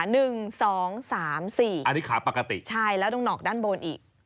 อันนี้ขาปกติใช่แล้วตรงหนอกด้านบนอีก